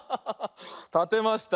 たてました。